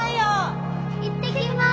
行ってきます。